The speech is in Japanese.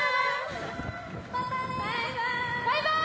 バイバイ！